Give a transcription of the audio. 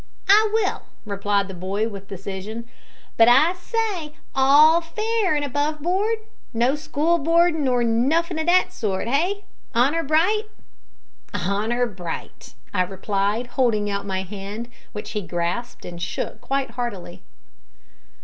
"I will," replied the boy, with decision; "but I say, all fair an' above board? No school boardin' nor nuffin' o' that sort hey? honour bright?" "Honour bright!" I replied, holding out my hand, which he grasped and shook quite heartily.